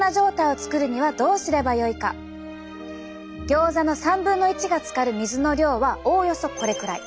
ギョーザの３分の１がつかる水の量はおおよそこれくらい。